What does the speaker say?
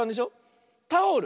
「タオル」